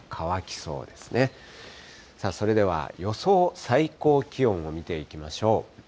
それでは予想最高気温を見ていきましょう。